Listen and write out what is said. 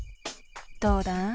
どうだ？